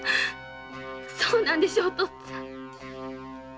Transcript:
そうなんでしょお父っつぁん。